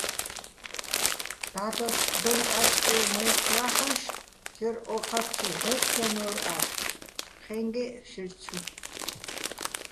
და́დას დონ-ტა́ჭკევ მაჲჴი̆ ჲა́ჰ̦ოშ ჯერ ო́ჴარჩუ ჲჵე́ფჲანო́რ აჰ̦ო̆, ჴე́ჼგეჸ შაჲრჩუ.